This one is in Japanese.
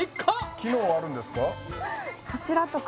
機能あるんですか？